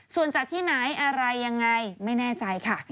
ส่วนจากที่ไหนอะไรยังไงไม่แน่ใจค่ะ